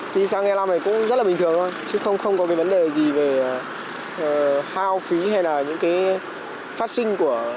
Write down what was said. đi xăng e năm này cũng rất là bình thường thôi chứ không có vấn đề gì về hao phí hay là những phát sinh